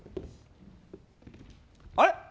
あれ？